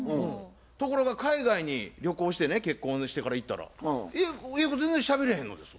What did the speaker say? ところが海外に旅行してね結婚してから行ったら英語全然しゃべれへんのですわ。